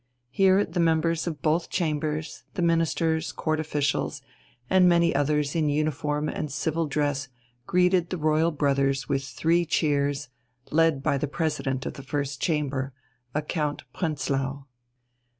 Here the members of both Chambers, the Ministers, Court officials, and many others in uniform and civil dress greeted the royal brothers with three cheers, led by the President of the First Chamber, a Count Prenzlau.